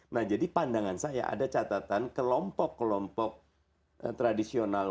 nah jadi pandangan saya ada catatan kelompok kelompok tradisional